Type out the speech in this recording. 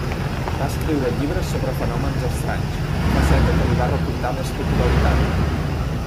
Va escriure llibres sobre fenòmens estranys, faceta que li va reportar més popularitat.